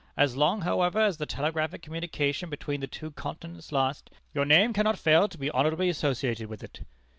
As long, however, as the telegraphic communication between the two Continents lasts, your name cannot fail to be honorably associated with it."